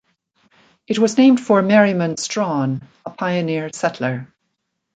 It was named for Merriman Straughn, a pioneer settler.